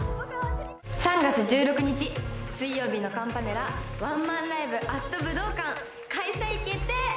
３月１６日、水曜日のカンパネラ、ワンマンライブａｔ武道館開催決定！